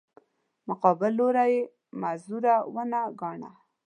مقابل لوری یې معذور ونه ګاڼه.